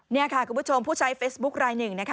นี่ค่ะคุณผู้ชมผู้ใช้เฟซบุ๊คลายหนึ่งนะคะ